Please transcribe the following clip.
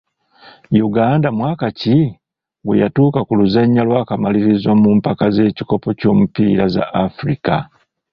Uganda mwaka ki gwe yatuuka ku luzannya lw’akamalirizo mu mpaka z'ekikopo ky'omupiira za Afirika?